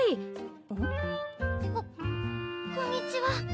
ここんにちは。